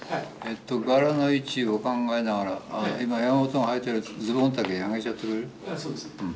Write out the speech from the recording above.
柄の位置を考えながら今山本がはいてるやつズボン丈上げちゃってくれる。